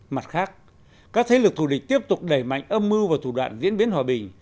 mặt khác các thế lực thù địch tiếp tục đẩy mạnh âm mưu và thủ đoạn diễn biến hòa bình